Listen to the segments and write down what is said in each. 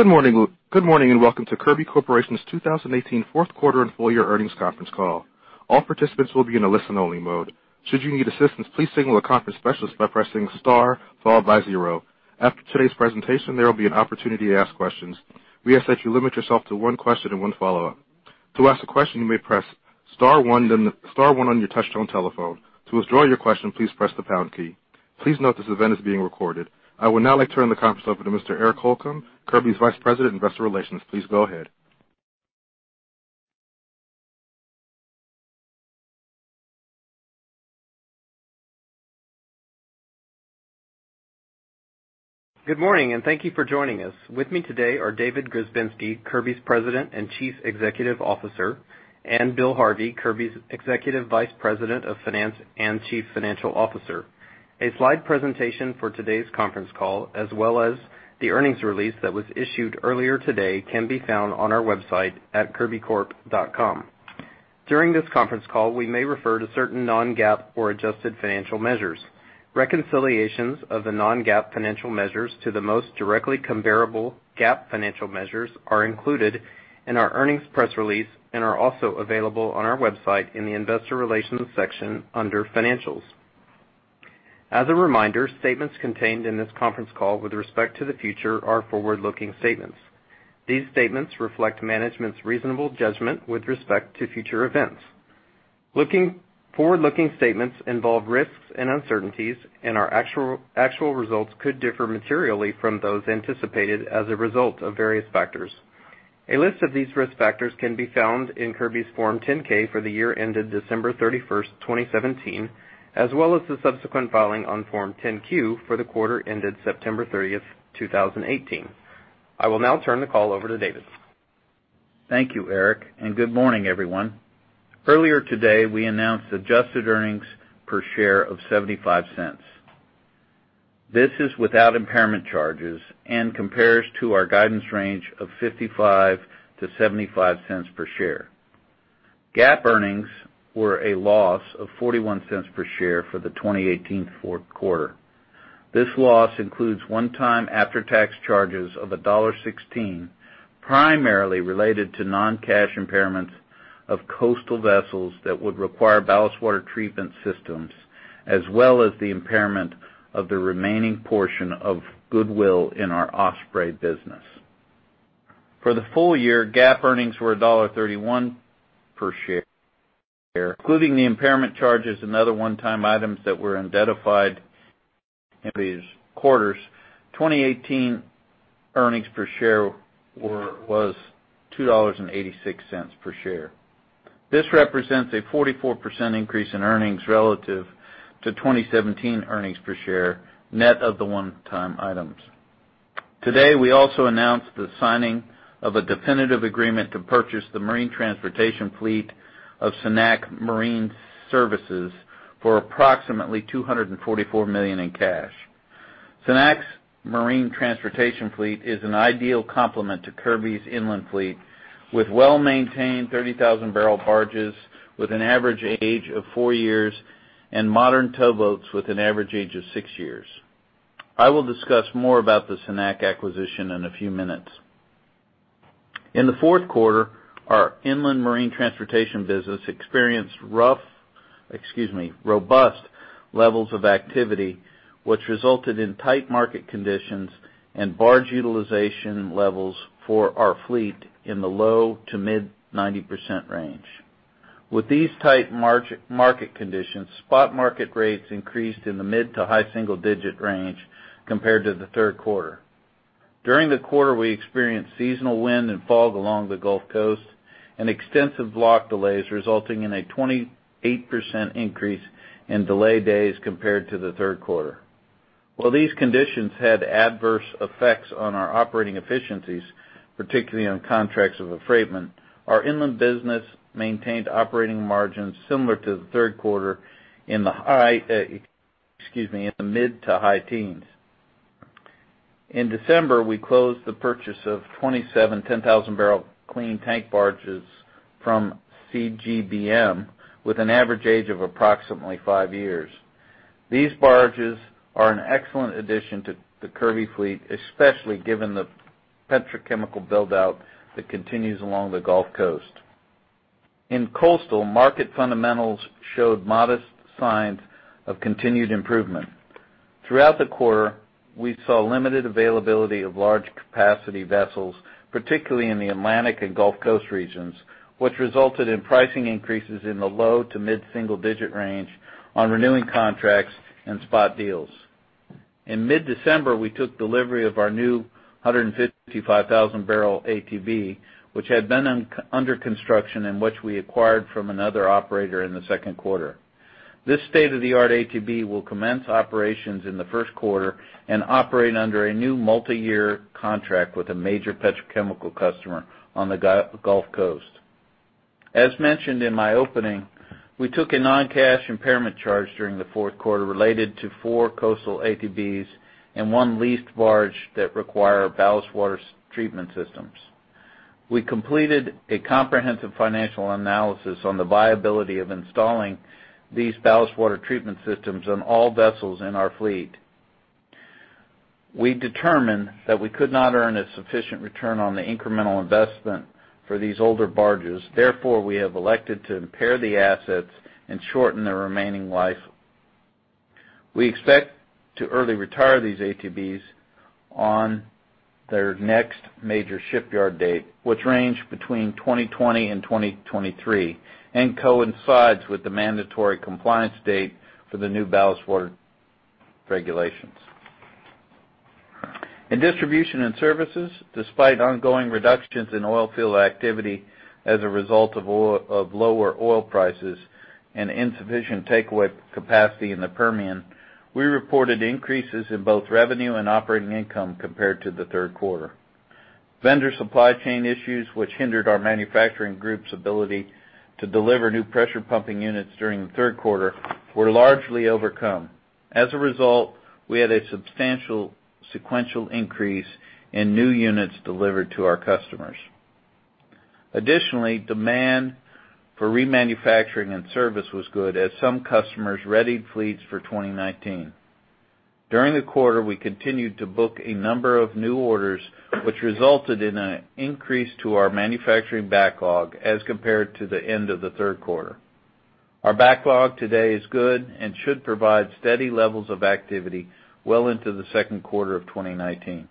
Good morning. Good morning, and Welcome to Kirby Corporation’s 2018 Fourth Quarter and Full Year Earnings Conference Call. All participants will be in a listen-only mode. Should you need assistance, please signal a conference specialist by pressing star followed by zero. After today’s presentation, there will be an opportunity to ask questions. We ask that you limit yourself to one question and one follow-up. To ask a question, you may press star one, then star one on your touchtone telephone. To withdraw your question, please press the pound key. Please note, this event is being recorded. I would now like to turn the conference over to Mr. Eric Holcomb, Kirby’s Vice President, Investor Relations. Please go ahead. Good morning, and thank you for joining us. With me today are David Grzebinski, Kirby's President and Chief Executive Officer, and Bill Harvey, Kirby's Executive Vice President of Finance and Chief Financial Officer. A slide presentation for today's conference call, as well as the earnings release that was issued earlier today, can be found on our website at kirbycorp.com. During this conference call, we may refer to certain non-GAAP or adjusted financial measures. Reconciliations of the non-GAAP financial measures to the most directly comparable GAAP financial measures are included in our earnings press release and are also available on our website in the Investor Relations section under Financials. As a reminder, statements contained in this conference call with respect to the future are forward-looking statements. These statements reflect management's reasonable judgment with respect to future events. Forward-looking statements involve risks and uncertainties, and our actual results could differ materially from those anticipated as a result of various factors. A list of these risk factors can be found in Kirby's Form 10-K for the year ended December 31st, 2017, as well as the subsequent filing on Form 10-Q for the quarter ended September 30th, 2018. I will now turn the call over to David. Thank you, Eric, and good morning, everyone. Earlier today, we announced adjusted earnings per share of $0.75. This is without impairment charges and compares to our guidance range of $0.55-$0.75 per share. GAAP earnings were a loss of $0.41 per share for the 2018 fourth quarter. This loss includes one-time after-tax charges of $1.16, primarily related to non-cash impairments of Coastal vessels that would require ballast water treatment systems, as well as the impairment of the remaining portion of goodwill in our Osprey business. For the full year, GAAP earnings were $1.31 per share. Including the impairment charges and other one-time items that were identified in these quarters, 2018 earnings per share was $2.86 per share. This represents a 44% increase in earnings relative to 2017 earnings per share, net of the one-time items. Today, we also announced the signing of a definitive agreement to purchase the Marine Transportation fleet of Cenac Marine Services for approximately $244 million in cash. Cenac's Marine Transportation fleet is an ideal complement to Kirby's Inland fleet, with well-maintained 30,000-bbl barges with an average age of four years and modern towboats with an average age of six years. I will discuss more about the Cenac acquisition in a few minutes. In the fourth quarter, our Inland Marine Transportation business experienced robust levels of activity, which resulted in tight market conditions and barge utilization levels for our fleet in the low- to mid-90% range. With these tight market conditions, spot market rates increased in the mid- to high single-digit range compared to the third quarter. During the quarter, we experienced seasonal wind and fog along the Gulf Coast and extensive block delays, resulting in a 28% increase in delay days compared to the third quarter. While these conditions had adverse effects on our operating efficiencies, particularly on contracts of affreightment, our Inland business maintained operating margins similar to the third quarter in the mid- to high teens. In December, we closed the purchase of 27 10,000-bbl clean tank barges from CGBM, with an average age of approximately five years. These barges are an excellent addition to the Kirby fleet, especially given the petrochemical build-out that continues along the Gulf Coast. In coastal, market fundamentals showed modest signs of continued improvement. Throughout the quarter, we saw limited availability of large capacity vessels, particularly in the Atlantic and Gulf Coast regions, which resulted in pricing increases in the low- to mid-single-digit range on renewing contracts and spot deals. In mid-December, we took delivery of our new 155,000-bbl ATB, which had been under construction and which we acquired from another operator in the second quarter. This state-of-the-art ATB will commence operations in the first quarter and operate under a new multiyear contract with a major petrochemical customer on the Gulf Coast. As mentioned in my opening, we took a non-cash impairment charge during the fourth quarter related to four coastal ATBs and one leased barge that require ballast water treatment systems. We completed a comprehensive financial analysis on the viability of installing these ballast water treatment systems on all vessels in our fleet. We determined that we could not earn a sufficient return on the incremental investment for these older barges. Therefore, we have elected to impair the assets and shorten their remaining life. We expect to early retire these ATBs on their next major shipyard date, which range between 2020 and 2023, and coincides with the mandatory compliance date for the new ballast water regulations. In Distribution and Services, despite ongoing reductions in oil field activity as a result of lower oil prices and insufficient takeaway capacity in the Permian, we reported increases in both revenue and operating income compared to the third quarter. Vendor supply chain issues, which hindered our manufacturing group's ability to deliver new pressure pumping units during the third quarter, were largely overcome. As a result, we had a substantial sequential increase in new units delivered to our customers. Additionally, demand for remanufacturing and service was good as some customers readied fleets for 2019. During the quarter, we continued to book a number of new orders, which resulted in an increase to our manufacturing backlog as compared to the end of the third quarter. Our backlog today is good and should provide steady levels of activity well into the second quarter of 2019.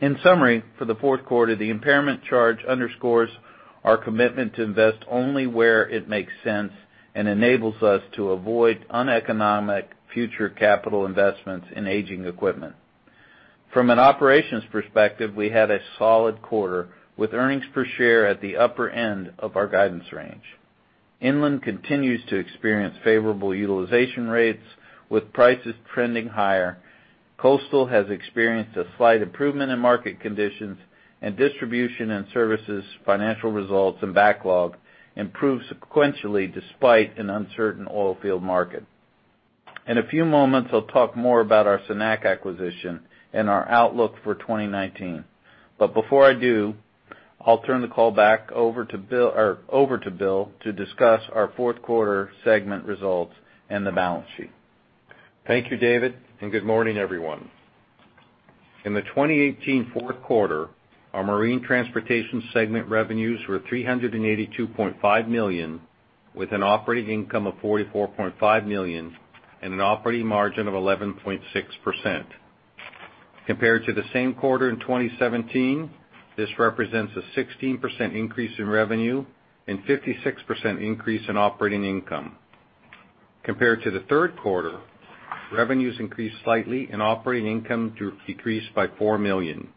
In summary, for the fourth quarter, the impairment charge underscores our commitment to invest only where it makes sense and enables us to avoid uneconomic future capital investments in aging equipment. From an operations perspective, we had a solid quarter, with earnings per share at the upper end of our guidance range. Inland continues to experience favorable utilization rates, with prices trending higher. Coastal has experienced a slight improvement in market conditions, and Distribution & Services financial results and backlog improved sequentially despite an uncertain oilfield market. In a few moments, I'll talk more about our Cenac acquisition and our outlook for 2019. But before I do, I'll turn the call back over to Bill-- or over to Bill to discuss our fourth quarter segment results and the balance sheet. Thank you, David, and good morning, everyone. In the 2018 fourth quarter, our Marine Transportation segment revenues were $382.5 million, with an operating income of $44.5 million and an operating margin of 11.6%. Compared to the same quarter in 2017, this represents a 16% increase in revenue and 56% increase in operating income. Compared to the third quarter, revenues increased slightly and operating income decreased by $4 million.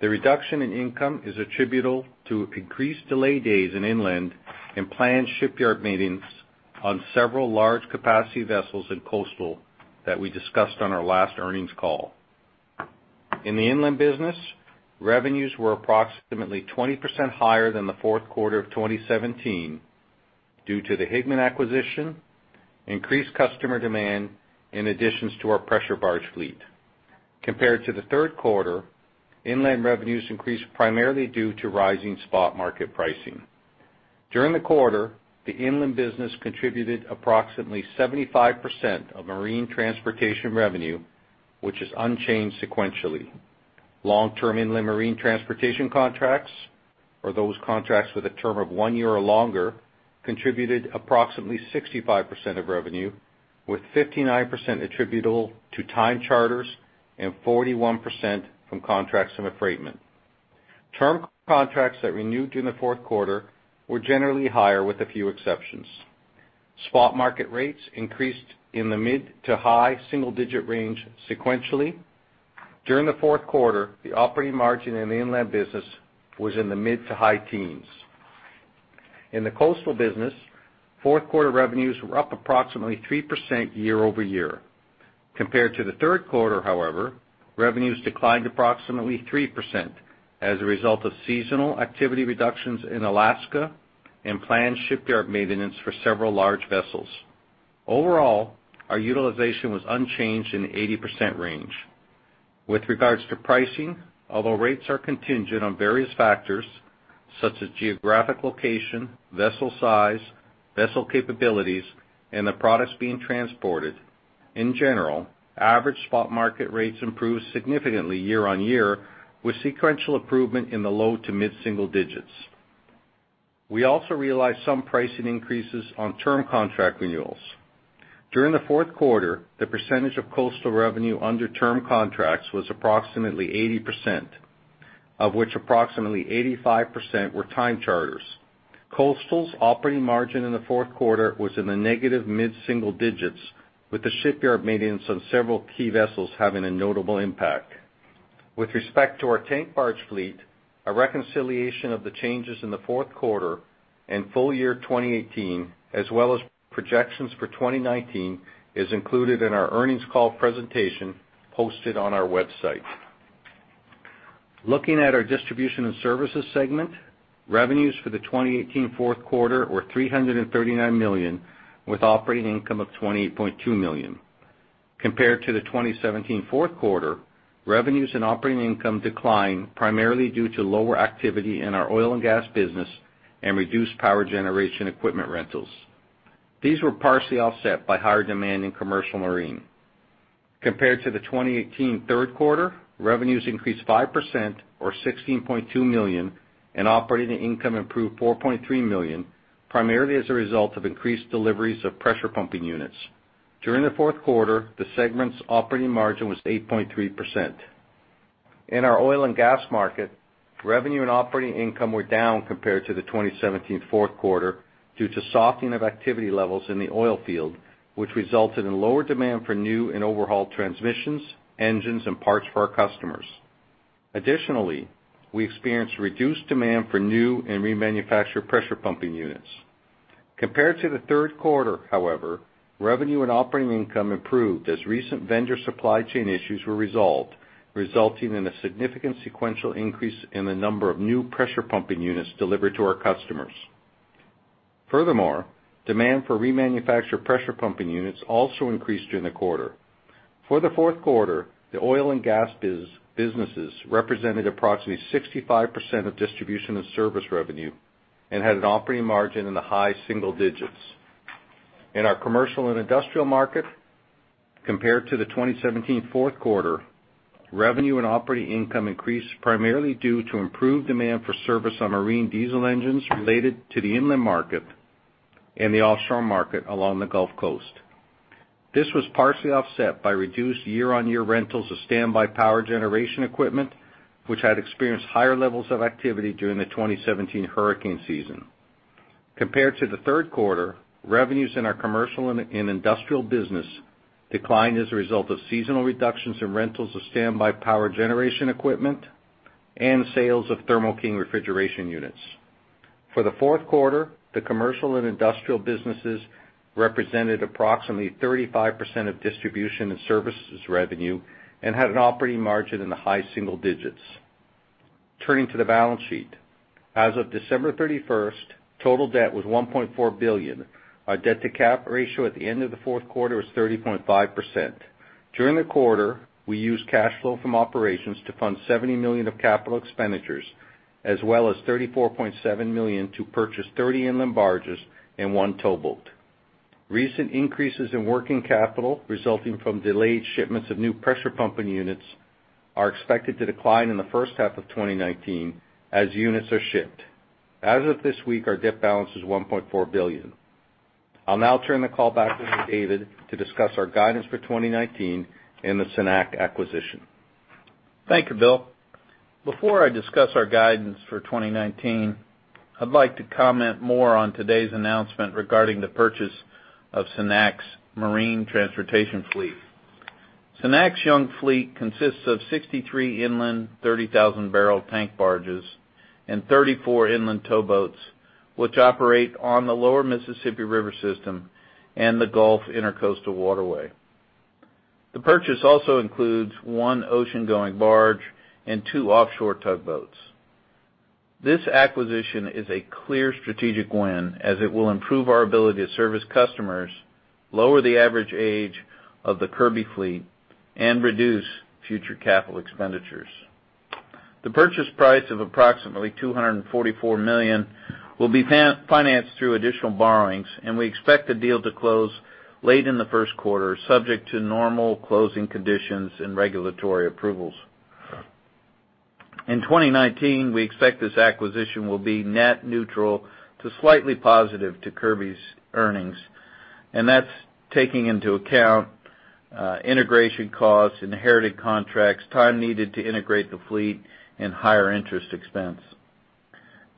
The reduction in income is attributable to increased delay days in Inland and planned shipyard maintenance on several large capacity vessels in Coastal that we discussed on our last earnings call. In the Inland business, revenues were approximately 20% higher than the fourth quarter of 2017 due to the Higman acquisition, increased customer demand, and additions to our pressure barge fleet. Compared to the third quarter, Inland revenues increased primarily due to rising spot market pricing. During the quarter, the Inland business contributed approximately 75% of Marine Transportation revenue, which is unchanged sequentially. Long-term Inland Marine Transportation contracts, or those contracts with a term of one year or longer, contributed approximately 65% of revenue, with 59% attributable to time charters and 41% from contracts of affreightment. Term contracts that renewed in the fourth quarter were generally higher, with a few exceptions. Spot market rates increased in the mid- to high-single-digit range sequentially. During the fourth quarter, the operating margin in the Inland business was in the mid-to high-teens. In the Coastal business, fourth quarter revenues were up approximately 3% year-over-year. Compared to the third quarter, however, revenues declined approximately 3% as a result of seasonal activity reductions in Alaska and planned shipyard maintenance for several large vessels. Overall, our utilization was unchanged in the 80% range. With regards to pricing, although rates are contingent on various factors, such as geographic location, vessel size, vessel capabilities, and the products being transported, in general, average spot market rates improved significantly year-on-year, with sequential improvement in the low- to mid-single digits. We also realized some pricing increases on term contract renewals. During the fourth quarter, the percentage of Coastal revenue under term contracts was approximately 80%, of which approximately 85% were time charters. Coastal's operating margin in the fourth quarter was in the negative mid-single digits, with the shipyard maintenance on several key vessels having a notable impact. With respect to our tank barge fleet, a reconciliation of the changes in the fourth quarter and full year 2018, as well as projections for 2019, is included in our earnings call presentation posted on our website. Looking at our Distribution and Services segment, revenues for the 2018 fourth quarter were $339 million, with operating income of $28.2 million, compared to the 2017 fourth quarter, revenues and operating income declined primarily due to lower activity in our oil and gas business and reduced power generation equipment rentals. These were partially offset by higher demand in commercial marine. Compared to the 2018 third quarter, revenues increased 5%, or $16.2 million, and operating income improved $4.3 million, primarily as a result of increased deliveries of pressure pumping units. During the fourth quarter, the segment's operating margin was 8.3%. In our oil and gas market, revenue and operating income were down compared to the 2017 fourth quarter due to softening of activity levels in the oil field, which resulted in lower demand for new and overhauled transmissions, engines, and parts for our customers. Additionally, we experienced reduced demand for new and remanufactured pressure pumping units. Compared to the third quarter, however, revenue and operating income improved as recent vendor supply chain issues were resolved, resulting in a significant sequential increase in the number of new pressure pumping units delivered to our customers. Furthermore, demand for remanufactured pressure pumping units also increased during the quarter. For the fourth quarter, the oil and gas businesses represented approximately 65% of Distribution and Service revenue and had an operating margin in the high single digits. In our commercial and industrial market, compared to the 2017 fourth quarter, revenue and operating income increased primarily due to improved demand for service on marine diesel engines related to the Inland market and the offshore market along the Gulf Coast. This was partially offset by reduced year-on-year rentals of standby power generation equipment, which had experienced higher levels of activity during the 2017 hurricane season. Compared to the third quarter, revenues in our commercial and industrial business declined as a result of seasonal reductions in rentals of standby power generation equipment and sales of Thermo King refrigeration units. For the fourth quarter, the commercial and industrial businesses represented approximately 35% of Distribution and Services revenue and had an operating margin in the high single digits. Turning to the balance sheet. As of December 31st, total debt was $1.4 billion. Our debt-to-cap ratio at the end of the fourth quarter was 30.5%. During the quarter, we used cash flow from operations to fund $70 million of capital expenditures, as well as $34.7 million to purchase 30 Inland barges and one towboat. Recent increases in working capital, resulting from delayed shipments of new pressure pumping units, are expected to decline in the first half of 2019 as units are shipped. As of this week, our debt balance is $1.4 billion. I'll now turn the call back over to David to discuss our guidance for 2019 and the Cenac acquisition. Thank you, Bill. Before I discuss our guidance for 2019, I'd like to comment more on today's announcement regarding the purchase of Cenac's Marine Transportation fleet. Cenac's young fleet consists of 63 Inland 30,000-bbl tank barges and 34 Inland towboats, which operate on the lower Mississippi River system and the Gulf Intracoastal Waterway. The purchase also includes one oceangoing barge and two offshore tugboats. This acquisition is a clear strategic win, as it will improve our ability to service customers, lower the average age of the Kirby fleet, and reduce future capital expenditures. The purchase price of approximately $244 million will be financed through additional borrowings, and we expect the deal to close late in the first quarter, subject to normal closing conditions and regulatory approvals. In 2019, we expect this acquisition will be net neutral to slightly positive to Kirby's earnings, and that's taking into account, integration costs, inherited contracts, time needed to integrate the fleet, and higher interest expense.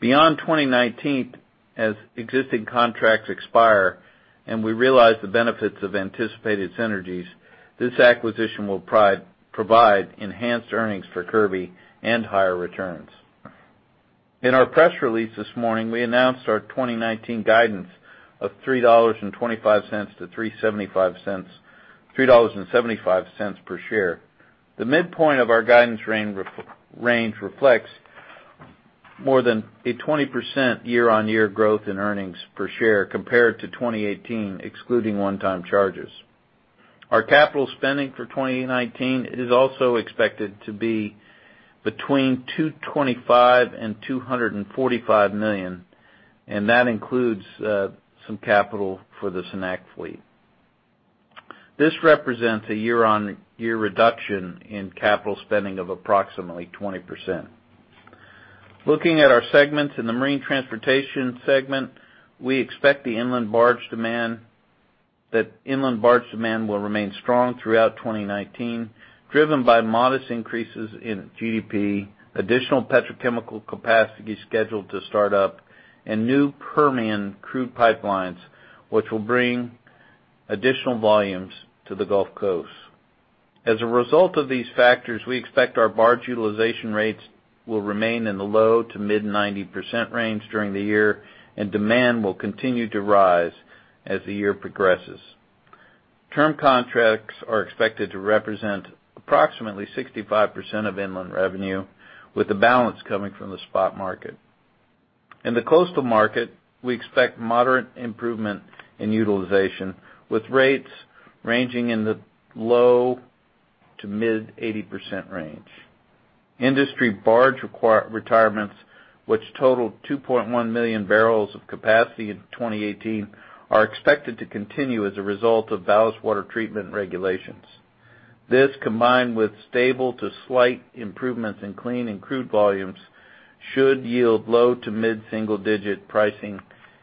Beyond 2019, as existing contracts expire and we realize the benefits of anticipated synergies, this acquisition will provide enhanced earnings for Kirby and higher returns. In our press release this morning, we announced our 2019 guidance of $3.25-$3.75 per share. The midpoint of our guidance range reflects more than 20% year-on-year growth in earnings per share compared to 2018, excluding one-time charges. Our capital spending for 2019 is also expected to be between $225 million and $245 million, and that includes, some capital for the Cenac fleet. This represents a year-on-year reduction in capital spending of approximately 20%. Looking at our segments, in the Marine Transportation segment, we expect the Inland barge demand... That Inland barge demand will remain strong throughout 2019, driven by modest increases in GDP, additional petrochemical capacity scheduled to start up, and new Permian crude pipelines, which will bring additional volumes to the Gulf Coast. As a result of these factors, we expect our barge utilization rates will remain in the low-to-mid 90% range during the year, and demand will continue to rise as the year progresses. Term contracts are expected to represent approximately 65% of Inland revenue, with the balance coming from the spot market.... In the Coastal market, we expect moderate improvement in utilization, with rates ranging in the low-to-mid 80% range. Industry barge retirements, which totaled 2.1 million bbl of capacity in 2018, are expected to continue as a result of ballast water treatment regulations. This, combined with stable to slight improvements in clean and crude volumes, should yield low- to mid-single-digit pricing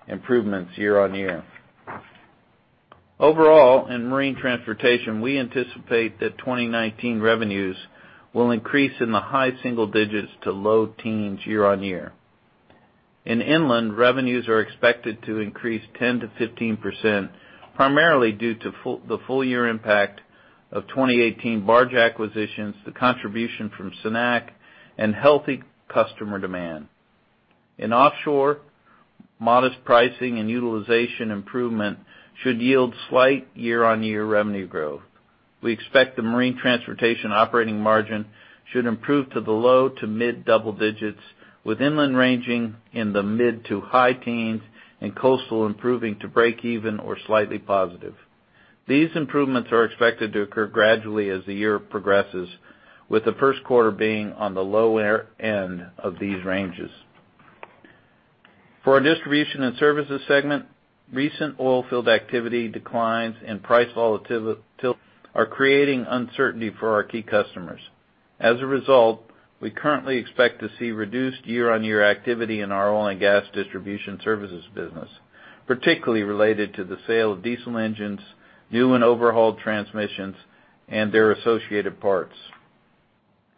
improvements year-on-year. Overall, in Marine Transportation, we anticipate that 2019 revenues will increase in the high single digits to low teens year-on-year. In Inland, revenues are expected to increase 10%-15%, primarily due to the full year impact of 2018 barge acquisitions, the contribution from Cenac, and healthy customer demand. In offshore, modest pricing and utilization improvement should yield slight year-on-year revenue growth. We expect the Marine Transportation operating margin should improve to the low to mid double digits, with Inland ranging in the mid to high teens, and coastal improving to breakeven or slightly positive. These improvements are expected to occur gradually as the year progresses, with the first quarter being on the lower end of these ranges. For our Distribution and Services segment, recent oil field activity declines and price volatility are creating uncertainty for our key customers. As a result, we currently expect to see reduced year-on-year activity in our oil and gas distribution services business, particularly related to the sale of diesel engines, new and overhauled transmissions, and their associated parts.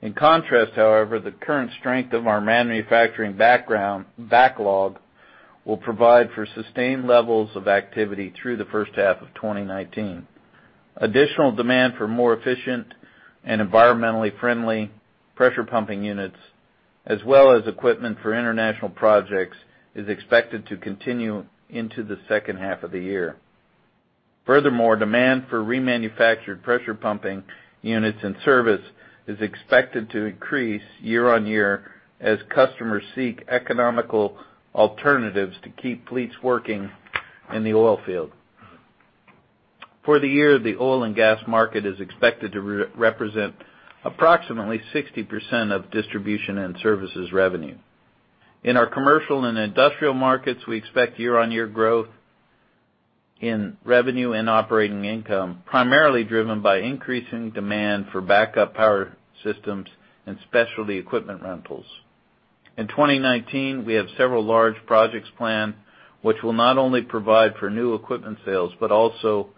In contrast, however, the current strength of our manufacturing backlog will provide for sustained levels of activity through the first half of 2019. Additional demand for more efficient and environmentally friendly pressure pumping units, as well as equipment for international projects, is expected to continue into the second half of the year. Furthermore, demand for remanufactured pressure pumping units and service is expected to increase year-on-year as customers seek economical alternatives to keep fleets working in the oil field. For the year, the oil and gas market is expected to represent approximately 60% of Distribution and Services revenue. In our commercial and industrial markets, we expect year-on-year growth in revenue and operating income, primarily driven by increasing demand for backup power systems and specialty equipment rentals. In 2019, we have several large projects planned, which will not only provide for new equipment sales, but also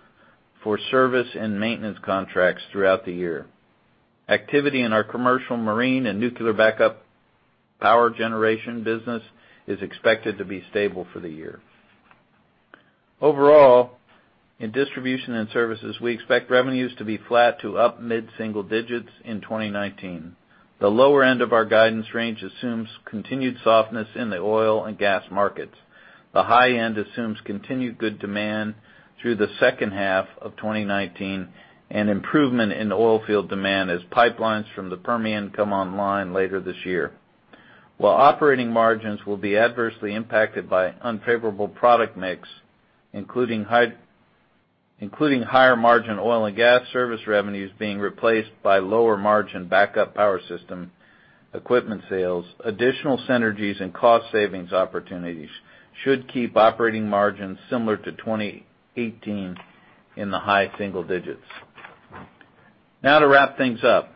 for service and maintenance contracts throughout the year. Activity in our commercial, marine, and nuclear backup power generation business is expected to be stable for the year. Overall, in Distribution and Services, we expect revenues to be flat to up mid-single digits in 2019. The lower end of our guidance range assumes continued softness in the oil and gas markets. The high end assumes continued good demand through the second half of 2019, and improvement in oil field demand as pipelines from the Permian come online later this year. While operating margins will be adversely impacted by unfavorable product mix, including higher margin oil and gas service revenues being replaced by lower margin backup power system equipment sales, additional synergies and cost savings opportunities should keep operating margins similar to 2018 in the high single digits. Now to wrap things up,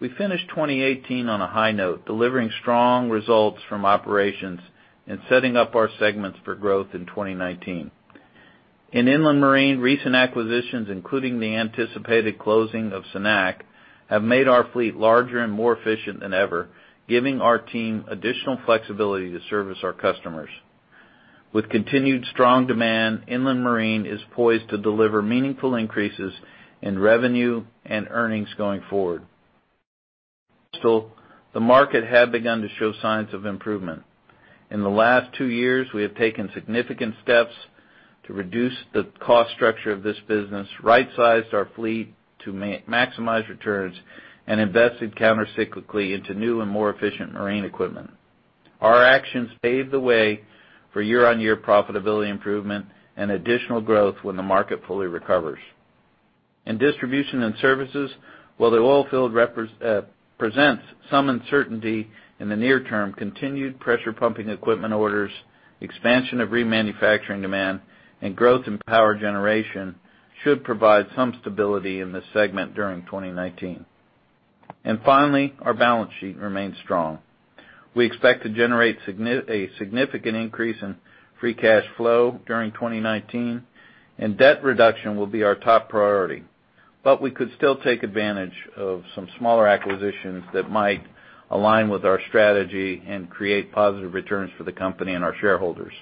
we finished 2018 on a high note, delivering strong results from operations and setting up our segments for growth in 2019. In Inland marine, recent acquisitions, including the anticipated closing of Cenac, have made our fleet larger and more efficient than ever, giving our team additional flexibility to service our customers. With continued strong demand, Inland marine is poised to deliver meaningful increases in revenue and earnings going forward. Still, the market had begun to show signs of improvement. In the last two years, we have taken significant steps to reduce the cost structure of this business, right-sized our fleet to maximize returns, and invested countercyclically into new and more efficient marine equipment. Our actions paved the way for year-on-year profitability improvement and additional growth when the market fully recovers. In Distribution and Services, while the oil field represents some uncertainty in the near term, continued pressure pumping equipment orders, expansion of remanufacturing demand, and growth in power generation should provide some stability in this segment during 2019. And finally, our balance sheet remains strong. We expect to generate a significant increase in free cash flow during 2019, and debt reduction will be our top priority. But we could still take advantage of some smaller acquisitions that might align with our strategy and create positive returns for the company and our shareholders.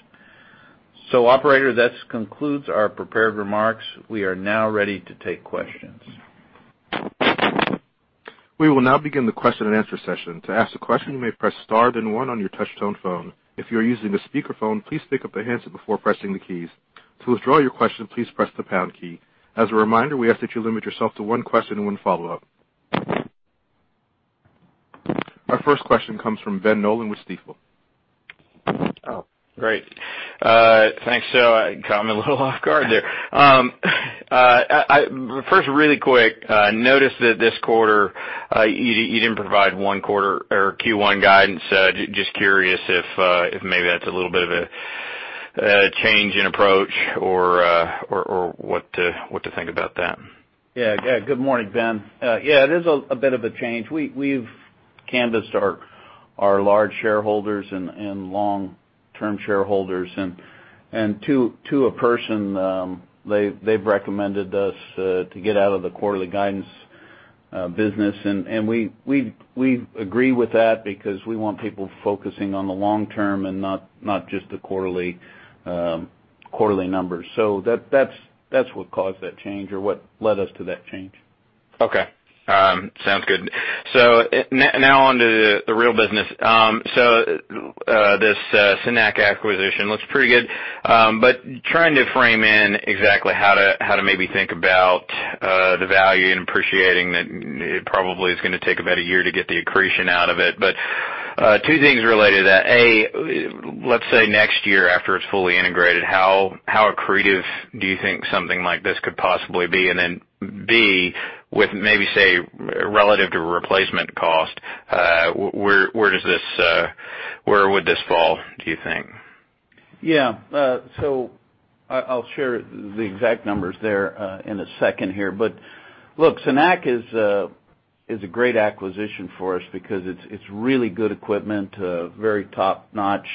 So operator, that concludes our prepared remarks. We are now ready to take questions. We will now begin the question and answer session. To ask a question, you may press star then one on your touchtone phone. If you are using a speakerphone, please pick up the handset before pressing the keys. To withdraw your question, please press the pound key. As a reminder, we ask that you limit yourself to one question and one follow-up. Our first question comes from Ben Nolan with Stifel. Oh, great. Thanks. It caught me a little off guard there. First, really quick, I noticed that this quarter you didn't provide one quarter or Q1 guidance. Just curious if maybe that's a little bit of a change in approach or what to think about that? Yeah. Yeah. Good morning, Ben. Yeah, it is a bit of a change. We've canvassed our large shareholders and long-term shareholders, and to a person, they've recommended us to get out of the quarterly guidance business. And we agree with that because we want people focusing on the long term and not just the quarterly numbers. So that's what caused that change or what led us to that change. Okay. Sounds good. So now on to the real business. So this Cenac acquisition looks pretty good. But trying to frame in exactly how to maybe think about the value and appreciating that it probably is gonna take about a year to get the accretion out of it. But two things related to that: A, let's say, next year, after it's fully integrated, how accretive do you think something like this could possibly be? And then, B, with maybe, say, relative to replacement cost, where does this where would this fall, do you think? Yeah. So I, I'll share the exact numbers there in a second here. But look, Cenac is a great acquisition for us because it's really good equipment, a very top-notch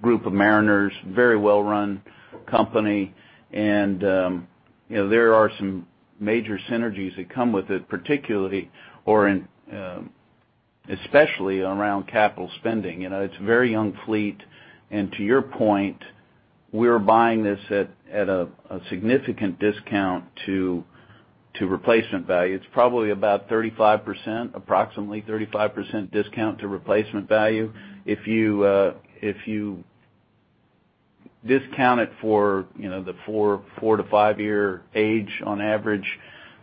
group of mariners, very well-run company. And you know, there are some major synergies that come with it, particularly, or in, especially around capital spending. You know, it's a very young fleet, and to your point, we're buying this at a significant discount to replacement value. It's probably about 35%, approximately 35% discount to replacement value. If you discount it for, you know, the four to five-year age on average,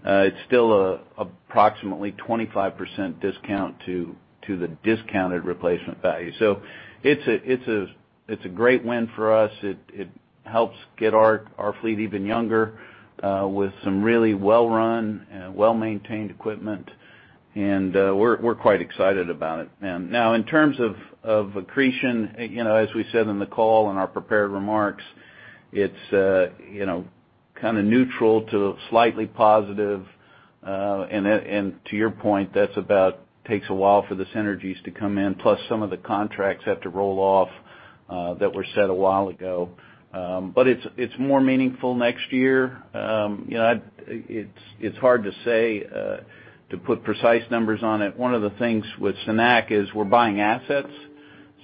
it's still approximately 25% discount to the discounted replacement value. So it's a great win for us. It helps get our fleet even younger, with some really well-run and well-maintained equipment, and we're quite excited about it. And now, in terms of accretion, you know, as we said in the call, in our prepared remarks, it's you know, kind of neutral to slightly positive. And to your point, that's about takes a while for the synergies to come in, plus some of the contracts have to roll off, that were set a while ago. But it's more meaningful next year. You know, I'd... It's hard to say to put precise numbers on it. One of the things with Cenac is we're buying assets,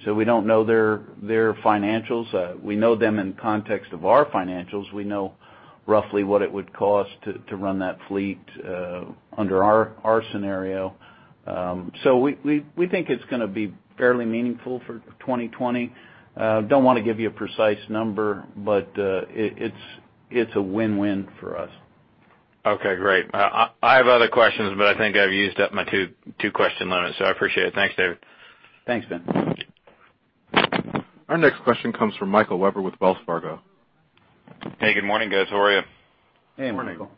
so we don't know their financials. We know them in context of our financials. We know roughly what it would cost to run that fleet under our scenario. So we think it's gonna be fairly meaningful for 2020. Don't want to give you a precise number, but it's a win-win for us. Okay, great. I have other questions, but I think I've used up my two-question limit, so I appreciate it. Thanks, David. Thanks, Ben. Our next question comes from Michael Webber with Wells Fargo. Hey, good morning, guys. How are you? Hey, Michael. Good morning.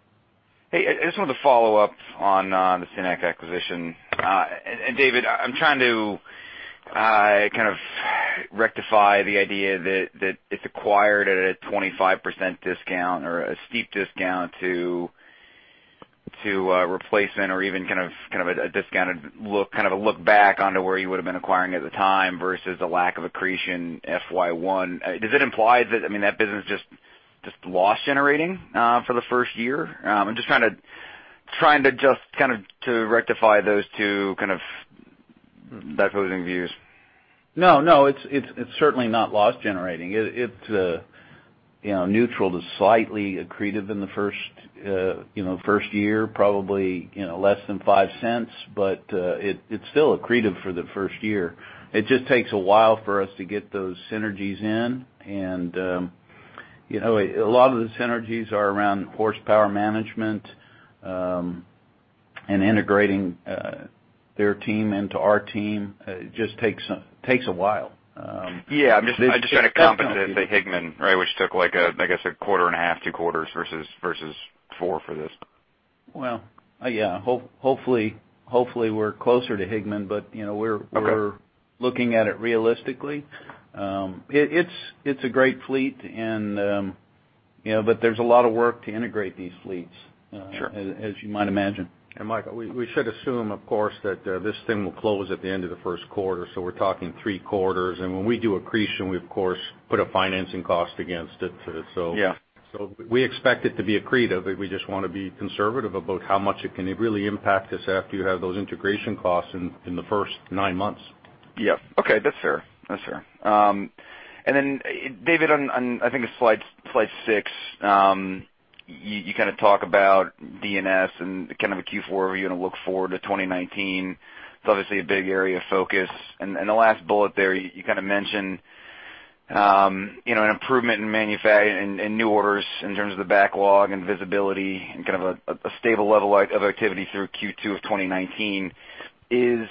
Hey, I just wanted to follow up on the Cenac acquisition. And David, I'm trying to kind of rectify the idea that it's acquired at a 25% discount or a steep discount to replacement or even kind of a discounted look, kind of a look back onto where you would have been acquiring at the time versus the lack of accretion FY1. Does it imply that, I mean, that business is just loss generating for the first year? I'm just trying to just kind of to rectify those two kind of opposing views. No, no, it's certainly not loss generating. It's you know, neutral to slightly accretive in the first, you know, first year, probably, you know, less than $0.05, but, it's still accretive for the first year. It just takes a while for us to get those synergies in. And, you know, a lot of the synergies are around horsepower management, and integrating, their team into our team. It just takes a while. Yeah. This- I'm just trying to compensate to Higman, right? Which took, like, a, I guess, a quarter and a half, two quarters versus four for this. Well, yeah, hopefully, we're closer to Higman, but, you know, we're- Okay... we're looking at it realistically. It's a great fleet and, you know, but there's a lot of work to integrate these fleets- Sure... as you might imagine. And Michael, we should assume, of course, that this thing will close at the end of the first quarter, so we're talking three quarters. And when we do accretion, we, of course, put a financing cost against it. So- Yeah. We expect it to be accretive, but we just want to be conservative about how much it can really impact us after you have those integration costs in the first nine months. Yeah. Okay. That's fair. That's fair. And then, David, on, I think it's slide six, you kind of talk about D&S and kind of a Q4, where you're gonna look forward to 2019. It's obviously a big area of focus. And the last bullet there, you kind of mentioned you know, an improvement in manufacturing in new orders in terms of the backlog and visibility and kind of a stable level of activity through Q2 of 2019. Is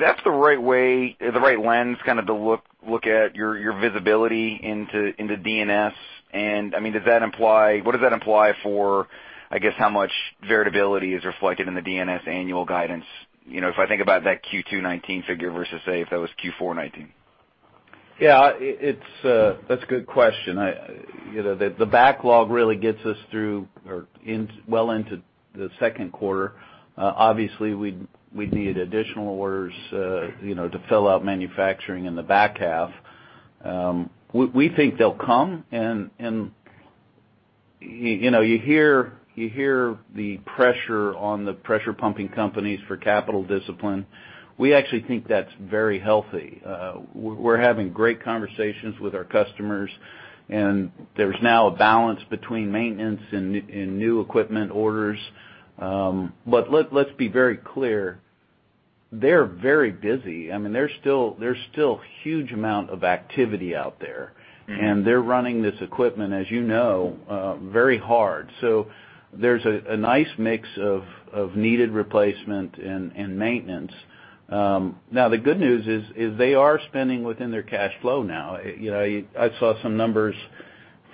that the right way, the right lens, kind of to look at your visibility into D&S? And I mean, does that imply, what does that imply for, I guess, how much variability is reflected in the D&S annual guidance? You know, if I think about that Q2 2019 figure versus, say, if that was Q4 2019. Yeah, it, it's, that's a good question. I, you know, the backlog really gets us through well into the second quarter. Obviously, we'd we need additional orders, you know, to fill out manufacturing in the back half. We think they'll come, and you know, you hear the pressure on the pressure pumping companies for capital discipline. We actually think that's very healthy. We're having great conversations with our customers, and there's now a balance between maintenance and new equipment orders. But let's be very clear, they're very busy. I mean, there's still huge amount of activity out there. Mm-hmm. And they're running this equipment, as you know, very hard. So there's a nice mix of needed replacement and maintenance. Now, the good news is they are spending within their cash flow now. You know, I saw some numbers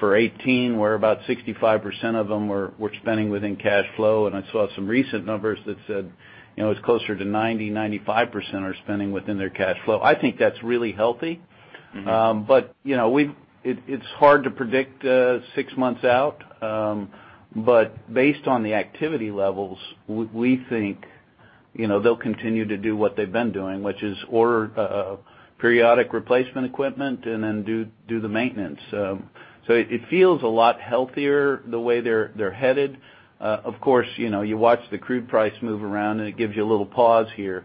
for 2018, where about 65% of them were spending within cash flow, and I saw some recent numbers that said, you know, it's closer to 90-95% are spending within their cash flow. I think that's really healthy. Mm-hmm. But, you know, it's hard to predict six months out, but based on the activity levels, we think, you know, they'll continue to do what they've been doing, which is order periodic replacement equipment and then do the maintenance. So it feels a lot healthier the way they're headed. Of course, you know, you watch the crude price move around, and it gives you a little pause here.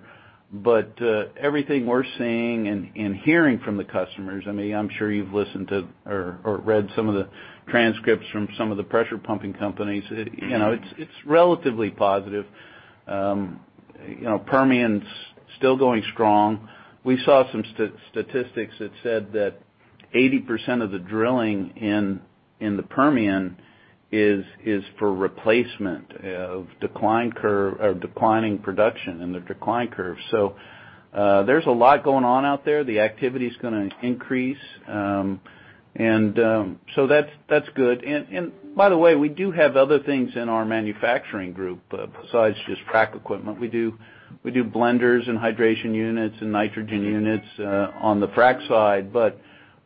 But everything we're seeing and hearing from the customers, I mean, I'm sure you've listened to or read some of the transcripts from some of the pressure pumping companies, you know, it's relatively positive. You know, Permian's still going strong. We saw some statistics that said that 80% of the drilling in the Permian is for replacement of decline curve, or declining production in the decline curve. So, there's a lot going on out there. The activity's gonna increase, so that's good. By the way, we do have other things in our manufacturing group besides just frac equipment. We do blenders and hydration units and nitrogen units on the frac side, but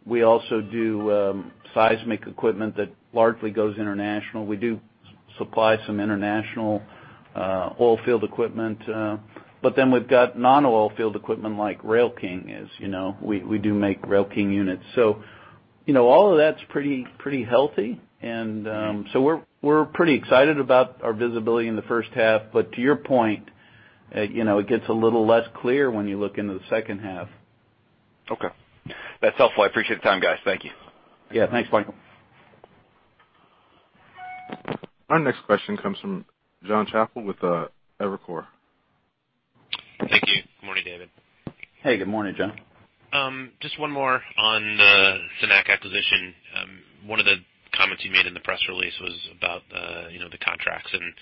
we also do seismic equipment that largely goes international. We do supply some international oil field equipment, but then we've got non-oil field equipment, like Rail King, as you know. We do make Rail King units. So, you know, all of that's pretty healthy. So we're pretty excited about our visibility in the first half. But to your point, you know, it gets a little less clear when you look into the second half. Okay. That's helpful. I appreciate the time, guys. Thank you. Yeah. Thanks, Michael. Our next question comes from John Chappell with Evercore. Thank you. Good morning, David. Hey, good morning, John. Just one more on the Cenac acquisition. One of the comments you made in the press release was about, you know, the contracts and,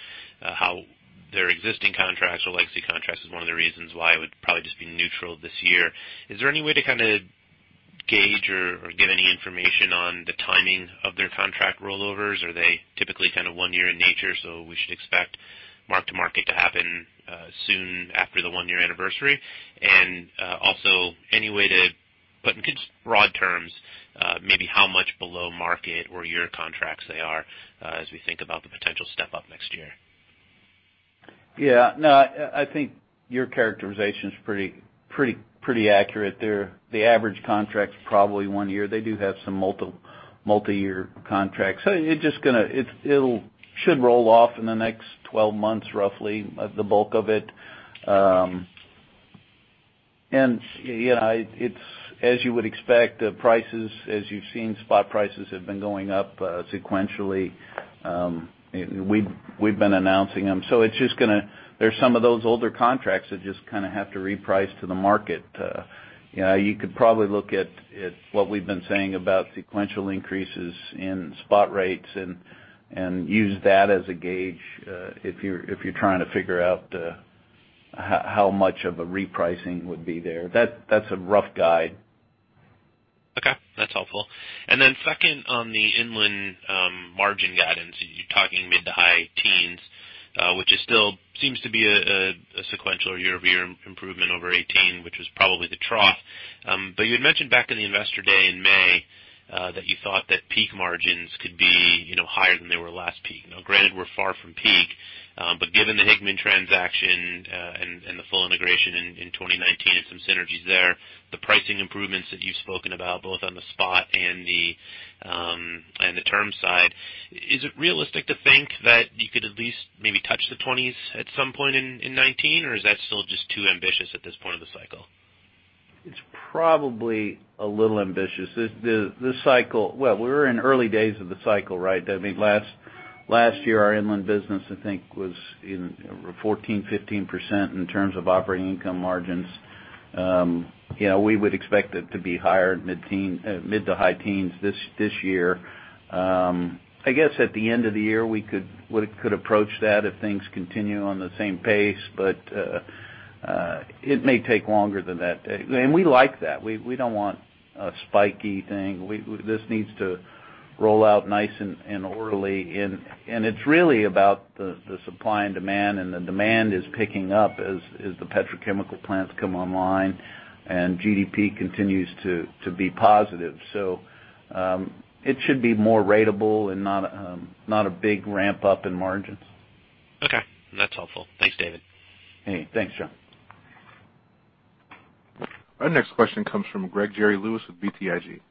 how their existing contracts or legacy contracts is one of the reasons why it would probably just be neutral this year. Is there any way to kind of gauge or, or give any information on the timing of their contract rollovers? Are they typically kind of one year in nature, so we should expect mark to market to happen, soon after the one-year anniversary? And, also, any way to, but in just broad terms, maybe how much below market or your contracts they are, as we think about the potential step-up next year? Yeah. No, I think your characterization is pretty, pretty, pretty accurate. They're the average contract is probably one year. They do have some multiple, multiyear contracts. So it just gonna, it'll should roll off in the next 12 months, roughly, the bulk of it. And, you know, it's, as you would expect, the prices, as you've seen, spot prices have been going up sequentially. We've, we've been announcing them. So it's just gonna—there's some of those older contracts that just kind of have to reprice to the market. You know, you could probably look at, at what we've been saying about sequential increases in spot rates and, and use that as a gauge, if you're, if you're trying to figure out, how much of a repricing would be there. That's a rough guide. Okay. That's helpful. And then second on the Inland, margin guidance, you're talking mid- to high-teens, which still seems to be a sequential or year-over-year improvement over 18, which was probably the trough. But you had mentioned back in the Investor Day in May, that you thought that peak margins could be, you know, higher than they were last peak. Now, granted, we're far from peak, but given the Higman transaction, and the full integration in 2019 and some synergies there, the pricing improvements that you've spoken about, both on the spot and the term side, is it realistic to think that you could at least maybe touch the 20s at some point in 2019? Or is that still just too ambitious at this point of the cycle? It's probably a little ambitious. This cycle—well, we're in early days of the cycle, right? I mean, last year, our Inland business, I think, was in 14%-15% in terms of operating income margins. Yeah, we would expect it to be higher, mid-teens, mid- to high teens this year. I guess, at the end of the year, we could approach that if things continue on the same pace, but it may take longer than that. And we like that. We don't want a spiky thing. This needs to roll out nice and orderly. And it's really about the supply and demand, and the demand is picking up as the petrochemical plants come online, and GDP continues to be positive. So, it should be more ratable and not, not a big ramp-up in margins. Okay. That's helpful. Thanks, David. Hey, thanks, John. Our next question comes from Gregory Lewis with BTIG.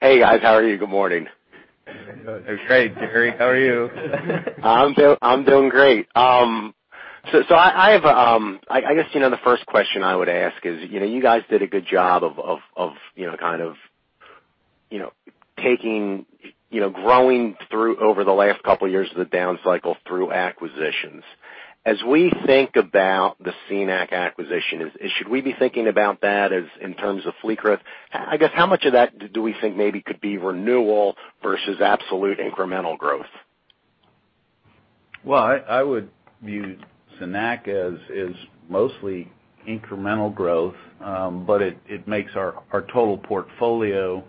Hey, guys. How are you? Good morning. Great, Gregory. How are you? I'm doing great. So, I have, I guess, you know, the first question I would ask is, you know, you guys did a good job of, you know, kind of, you know, taking, you know, growing through over the last couple of years of the downcycle through acquisitions. As we think about the Cenac acquisition, should we be thinking about that in terms of fleet growth? I guess, how much of that do we think maybe could be renewal versus absolute incremental growth? Well, I would view Cenac as mostly incremental growth, but it makes our total portfolio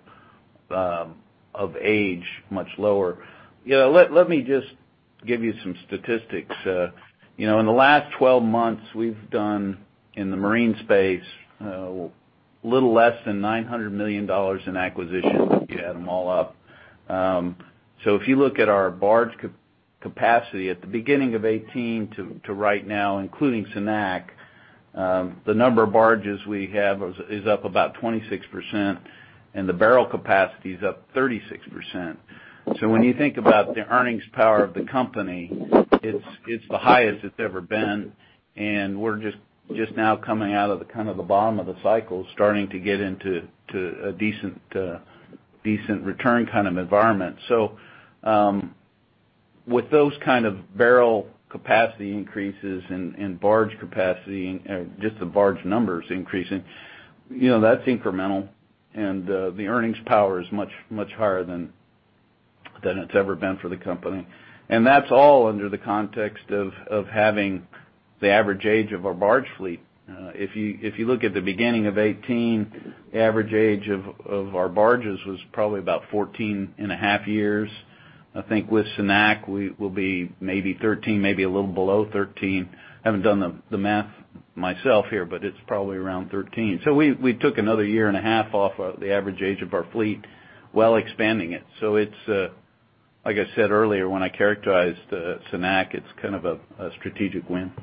of age much lower. Yeah, let me just give you some statistics. You know, in the last 12 months, we've done, in the marine space, a little less than $900 million in acquisitions, if you add them all up. So if you look at our barge capacity at the beginning of 2018 to right now, including Cenac, the number of barges we have is up about 26%, and the barrel capacity is up 36%. So when you think about the earnings power of the company, it's the highest it's ever been, and we're just now coming out of the kind of the bottom of the cycle, starting to get into a decent return kind of environment. So with those kind of barrel capacity increases and barge capacity, just the barge numbers increasing, you know, that's incremental, and the earnings power is much higher than it's ever been for the company. And that's all under the context of having the average age of our barge fleet. If you look at the beginning of 2018, the average age of our barges was probably about 14.5 years. I think with Cenac, we will be maybe 13, maybe a little below 13. I haven't done the math myself here, but it's probably around 13. So we took another year and a half off of the average age of our fleet while expanding it. So it's like I said earlier, when I characterized Cenac, it's kind of a strategic win.